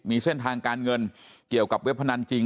มีเส้นทางการเงินเกี่ยวกับเว็บพนันจริง